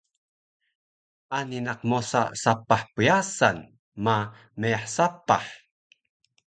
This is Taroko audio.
Ani naq mosa sapah pyasan ma meyah sapah